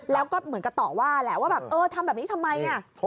แล้วก็เหมือนกับต่อว่าแหละว่าแบบเออทำแบบนี้ทำไม